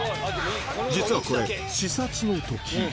実はこれ、視察のとき。